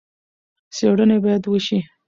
څېړنې باید وشي.